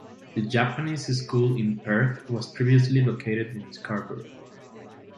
The Japanese School in Perth was previously located in Scarborough.